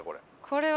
これ。